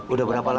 udah berapa lama